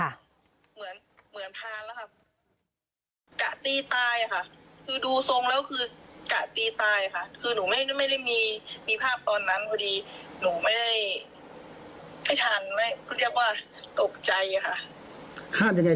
เขาต่อยทุกคนอะค่ะเขาคือโชคขนาดหนูถ่ายยืนถ่าย